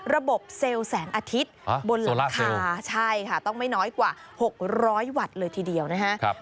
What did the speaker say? ระบบเซลแสงอาทิตย์บนราคาต้องไม่น้อยกว่า๖๐๐วัตต์เลยทีเดียวนะครับ